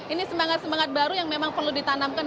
ini semangat semangat baru yang memang perlu ditanamkan